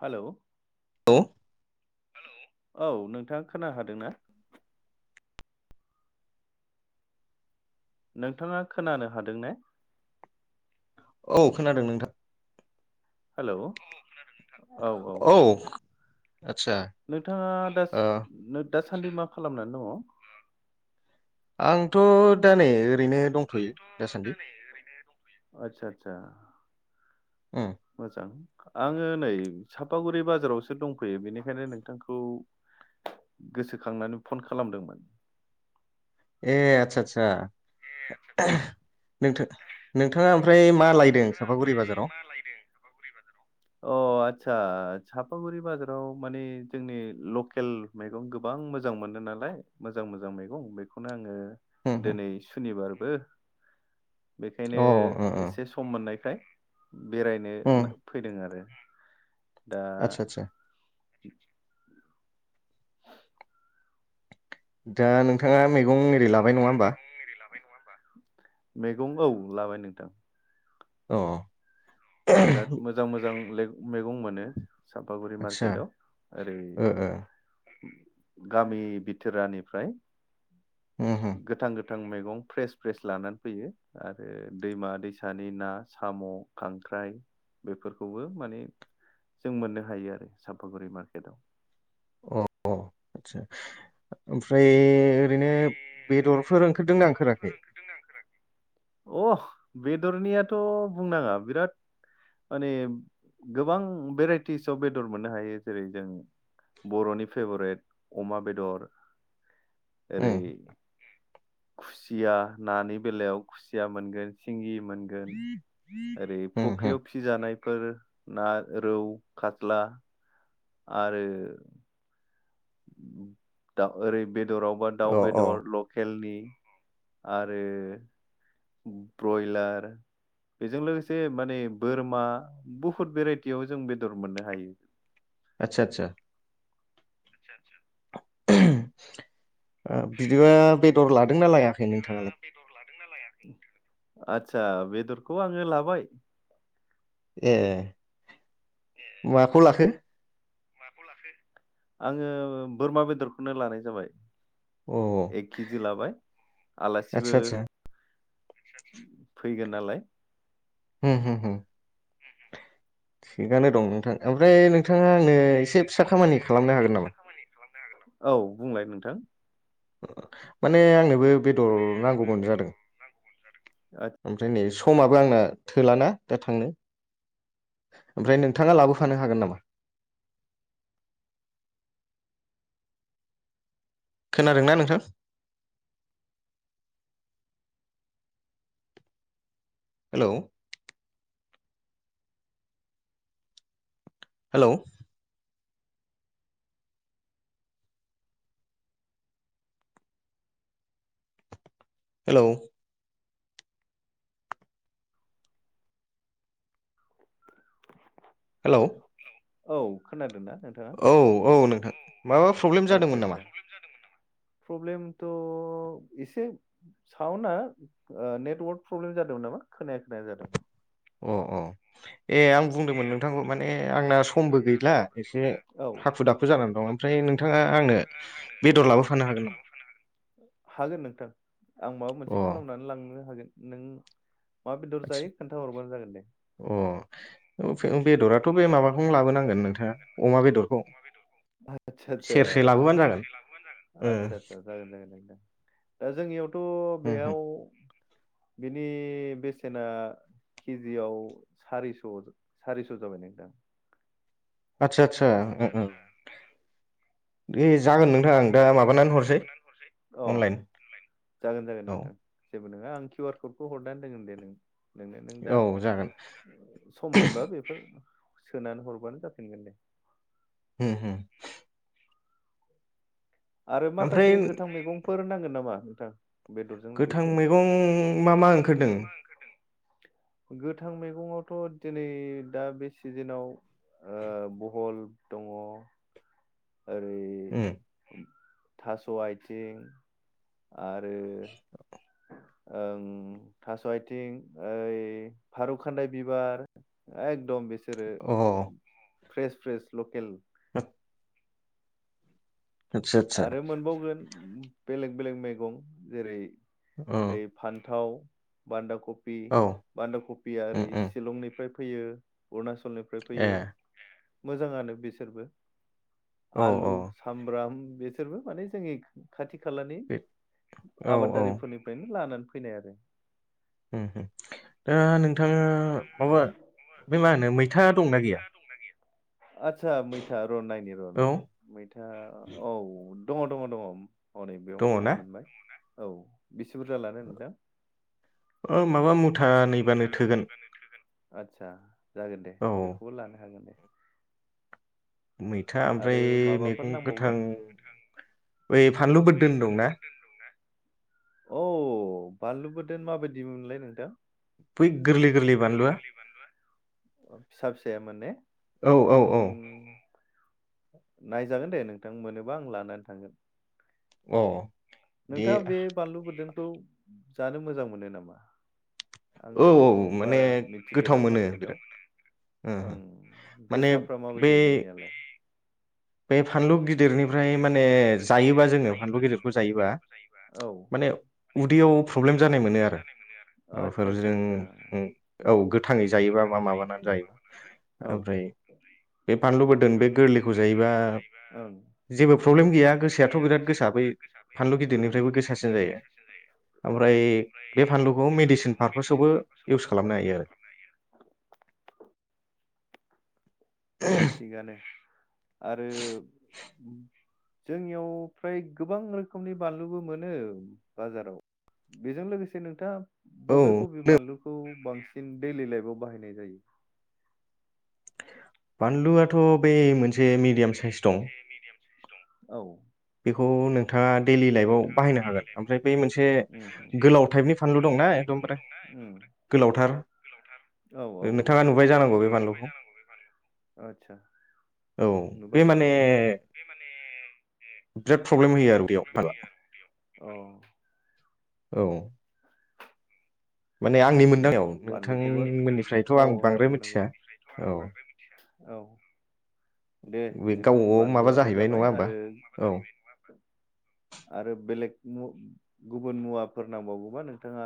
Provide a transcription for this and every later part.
Hello औ औ नोंथाङा खोन हादोंना नोंथाङा खोनानो हादों ने औ खोनादों नोंथां हेलौ औ औ आदसा नोंथाङा दा ओ दासान्दि मा खालामनानै दङ? आंथ' दा नै ओ- आंथ' दा नै ओरैनो दंथयो आदसा आदसा उम मोजां आङो नै सापागुरि बाजारावसो दंफैयो बेनिखायनो नोंथांखौ गोसोखांनानै फन खालामदोंमोन ए आदसा आदसा एहम नोंथां-नोंथाङा ओमफ्राय मा लायदों चापागुरि बाजाराव? अ आदसा चापागुरि बाजाराव माने जोंनि लकेल मैगं गोबां मोजां मोनो नालाय मोजां मोजां मैगं बेखौनो आङो उम अ दिनै सुनिबार- बो बेखायनो ओ ओ एसे सम मोननायखाय उम बेरायनो-नो फैदों आरो दा आदसा आदसा दा नोंथाङा मैगं एरै [inaudible] लाब- मैगं औ लाबाय नोंथां। अ बिराद मोजां मोजां मैगं मोनो चापागुरि आदसा मार्केटआव ओरै ओ ओ गामि बिथोरानिफ्राय उम उम गोथां गोथां गोथां मैगं फ्रेस फ्रेस लानानै फैयो आरो दैमा दैसानि ना, साम', खां- ख्राय बेफोरखौबो माने जों मोननो हायो आरो सापागुरि मार्केटआव। अ अ आतसा ओमफ्राय ओरैनो बेदरफोर ओंखारदोंना ओंखाराखै अह बेदरनियाथ' बुंनाङा बिराद माने गोबां भेराइटिसाव बेदर मोननो हायो जेरै जों बर'नि फेभरेट अमा बेदर, उम ओरै खुसि- या, नानि बेलायाव खुसिया मोनगोन सिंगि मोनगोन ओरै उम उम फुख्रियाव फिजानायफोर ना रौ खात्ला आरो दा ओरै बे दराव बा दाउ अ अ बेदर लकेलनि आरो ब्रयलार बेजों लोगोसे माने बोरमा बहुद भेराइटियाव जों बेदर मोननो हायो। आतसा आतसा आतसा आतसा ओ बिदिबा बेदर लादोंना लाया थाङा बेदर लादोंना लाया आदसा बेदरखौ आङो लाबाय। ए माखौ लाखो माखौ लाखो आङो बोरमा बेदरखौनो लानाय जाबाय। अ एक केजि लाबाय आलासिबो आदसा आदसा फैगोन नालाय होम होम होम होम होम होम थिगानो दं नोंथां ओमफ्राय नोंथाङा आंनो एसे फिसा खामानि खालामनो एसे हागोन नामा? फिसा खामानि खालामनो हागोन नामा औ बुंलाय नोंथां। माने आंनोबो बेदर नांगौमोन जादों ओमफ्राय नै स माबो आंना थोलाना दा थांनो ओमफ्राय नोंथाङा लाबोफानो हागोन नामा? खोनादोंना नोंथां? हेलौ हेलौ हेलौ [inaudible] हेलौ औ खोनादों ना? औ औ नोंथां माबा प्रब्लेम जादोंमोन नामा? आदसा आदसा प्रब्लेमथ' एसे सावुना नेटवरक प्रब्लेम जादोंमोन नामा। खोनाया खोनाया जादों। अ अ ए आं बुंदोंमोन नोंथांखौ माने आंना स समबो गैला एसे औ हाखु दाखु जानानै दं ओमफ्राय नोंथाङा आंनो बेदरलाबो हागोन नोंथां आं माबा मोनसे खालामनानै लांनो हागोन नों मा बेदर आतस जायो खोन्थाहरबानो जागोन दे अ फे बेदराथ' बे माबाखौनो लाबोनांगोन नोंथाङा अमा बेदरखौ आतसा आतसा सेरसे लाबोबानो जागोन ओ आतसा आतसा जागोन [inaudible] दा जोंनियाव थ' उम उम बेयाव बिनि बेसेना केजियाव सारिस' सारिस' जाबाय नोंथां आतसा आतसा ओम ओम दे जागोन नोंथां दा माबानानै हरसै अ अनलाइन औ बो नङा आं किउयार कड खौ हरनानै दोनगोन दे नोंनो नोनो नों दा औ जागोन सम मोनबा बेफोर सोनानै हरबानो जाफिनगोन दे उम उम आरो ओमफ्राय माखासे गोथां मैगं फोर नांगोन नामा नोंथां? बेदरजों गोथां लोगोसे मैगं मा मा ओंखारदों? गोथां मैगंआवथ' दिनै दा बे सिजिनाव ओ बहल दङ। ओरै उम उम थास' आइथिं आरो ओं थास' आइथिं ओइ खारु खान्दाय बिबार एकदम बेसे अ फ्रेश फ्रेश लकेल [unintelligible] आदसा आदसा आरो मोनबावगोन बेलेग बेलेग मैगं औ जेरै- ओइ फान थाव बान्दाखफ बि औ बान्दा कफिया ओरै उम उम सिलंनिफ्राय फैयो अरुना चलनिफ्राय फैयो ए मोजाङानो बिसोरबो औ आलु सामब्राम बिसोरबो माने जोंनि खा खाथिख खालानि बे औ औ आबादारिफोरनिफ्रायनो लानानै फैनाय आरो उमहु ओ नोंथाङा माबा बे मा होनो मैथा दंना गैया आतसा मैथा रनायनि औ रनायनि मैथा औ दङ दङ दङ अनेक बेयावनो दङ मोनबाय औ बेसे बुरजा लानो नोंदां ओ माबा मुथा नैबानो थोगोन आतसा जागोन दे औ बेखौबो लानो हागोन दे मैथा ओमफ्राय आरो माबाफोर मैगं गोथां नांबावगोन बै फानलु बोदोन दंना औ बानलु बोदोन माबायदिमोनलाय नोंथां फै गोरलै गोरलै बानलुआ फिसा फिसाया माने औ औ ओम औ औ नायजागोन दे नोंथां मोनोबा आं लानानै थांगोन अ अ दे नोंथाङा बे बानलु बोरदों खौ जानो मोजां मोनो नामा औ आंथ' औ माने बारा गोथाव मिथिफेरा मोनो बिराद मार्केटाव ओ ओं माने गोसाफ्रा बे माबायदि बेनियालाय बे फानलु गिदिरनिफ्राय माने जायोबा जोङो फानलु गिदिरखौ जायोबा औ माने उदैयाव प्रब्लेम जानाय मोनो आरो आदसा माबाफोर आदसा जों आदसा औ थाङै जायोबा बा माबानानै जायोबा औ ओमफ्राय बे फानलु बोद बे गोरलैखौ जायोबा बानलु जेबो प्रल्बेम गैया गोसायाथ' बिराद गोसा बै फानलु गिदिरनिफ्रायबो गोसासिन जायो ओमफ्राय बे फानलुखौ मेडिसिन पारपासावबो इउस खालामनो हायो आरो थिगानो आरो जोंनियाव फ्राय गोबां रोखोमनि बानलुबो मोनो बाजाराव बेजों लोगोसे नोंथाङा बबे औ बबे बानलुखौ बांसिन दैलि लाइफाव बाहायनाय जायो? बानलुआथ' बे मोनसे से मिदियाम साइस दं औ बेखौ नोंथाङा दैलि लाइफआव बाहायनो हागोन ओमफ्राय बे मोनसे उम गोलाव टाइपनि फानलु दंना एकदमबारे उम गोलावथार औ औ ओ नोंथाङा नुबाय जानांगौ बे बानलुखौ आदसा औ नुबाय बे माने नुबाय जोब फ्रब [unintelligible] औ औ माने आंनि थिगानो मोनदांनायाव औ बानलुखौबो नोंथांमोननिफ्रायथ' औ आं बांद्राय नंगौ नंगौ मिथिया औ औ दे बे नोंथां गावबागाव माबा बानलुआबो जाहैबाय नङा जाबाय होमबा आरो माबा औ जाहैबाय नंङा होनबा औ आरो बेलेग मु गुबुन मुवाफोर नांबावगौबा नोंथाङा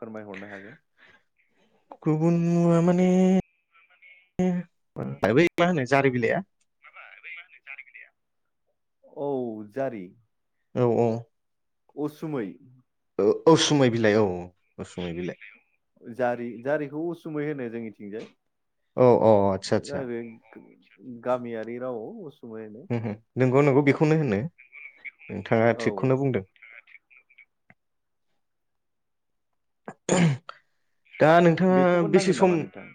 फोरमायहरनो हागोन। गुबुन मुवा माने ओ मा होनो जारि बिलाइआ माबा बै मा होनो जारि बिलाइया औ जारि औ औ असुमै ओ औसुमै बिलाइ औ औ असुमै बिलाइ औ औ जारि जारिखौ उसुमै होनो जोंनिथिंजाय औ औ आरो आदसा औ औ आदसा आतसा सा गामियारि रावाव असमिया होनो हुम हुम नोंगौ नोंगौ बेखौ खौनो होनो। नोंथाङा औ थिगखौनो बुंदों। [unintelligible] दा नोंथाङा बेखौबो बेसे नांगोन नामा सम नोंथां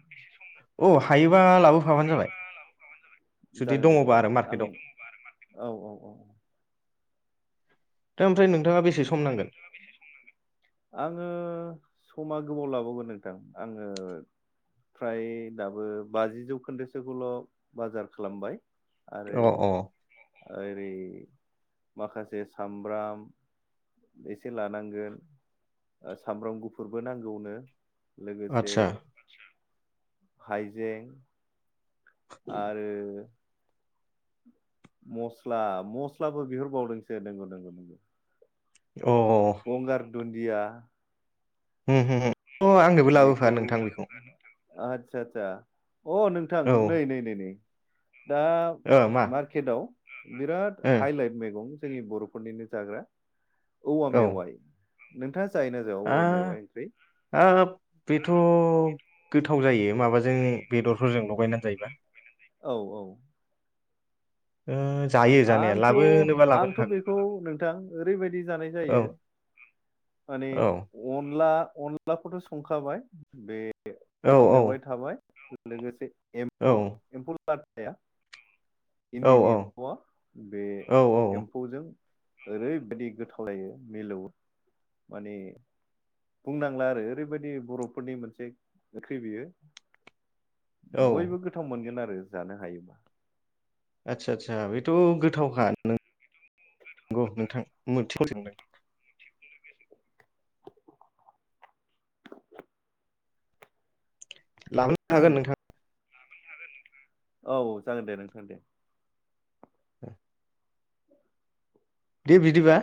अ हायोबा लाबोफाबानो जाबाय। जुदि जागोन दे दङबा नोंथां आरो आं मार्केटआव औ औ औ। दा ओमफ्राय नोंथाङा बेसे दा सम ओमफ्राय नांगोन नोंथाङा बेसे सम नांगोन आङो स समा गोबाव लाबावगोन नोंथां आङो फ्राय दाबो बाजि जौखोन्दोसोखौल' बाजार खालामबाय। आरो अ अ ओरै माखासे सामब्राम एसे लानांगोन सामब्राम गुफुरबो नांगौनो। लोगोसे आदसा हाइजें आरो मस्ला मस्लाबो बिहरबावदोंसो नंगौ नोंगौ नोंगौ अ अ दुन्दिया हो हो आंनोबो लाबोफा नोंथां बेखौ आतसा आतसा अ नोंथां औ नै नै नै नै दा ओ मा मार्केटआव बिराद ओ हाइलाइट मैगं जोंनि बर'फोरनिनो जाग्रा औवा औ मेवाइ नोंथाङा जायोना जाया औवा मेवाय ओंख्रि आब बेथ' गोथाव जायो माबाजों बेदरफोरजों लगायनानै जायोबा औ औ ओ जायो जानाया आंथ' लाबोनोबा लाबोनो आंथ' हागोन बेखौ नोंथां ओरैबायदि जानाय औ जायो माने औ अनला अनलाखौथ' संखाबाय बे बे औ औवा औ मेवाइ थाबाय ओ लोगोसे औ एमफौ एम्फौ लाथाया औ औ इन्दिनि बे औ औ एम्फौजों औ ओरैबायदि गोथाव जायो मिलौयो माने बुंनांला आरो ओरैबायदि बर'फोरनि मोनसे ओंख्रि बियो बयबो औ गोथाव मोनगोन आरो रो जानो हायोबा आदसा आदसा बेथ' गोथावखा नों गौ नोंथां मोनथिखौ सोंदों लांबोनो हागोन नोंथाङा औ जागोन दे नोंथां दे ओ दे बिदिबा